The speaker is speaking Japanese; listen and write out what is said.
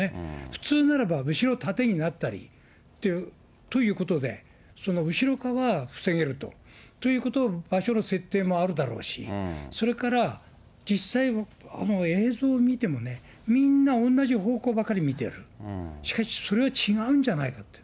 普通ならば後ろ盾になったりということで、後ろ側は防げるということは、場所の設定もあるでしょうし、それから実際、映像を見てもね、みんな同じ方向ばかり見てる、しかしそれは違うんじゃないかと。